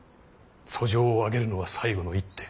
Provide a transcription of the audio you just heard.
訴状を上げるのは最後の一手。